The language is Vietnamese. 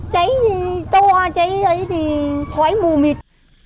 cháy thì to cháy thì khói bù mịt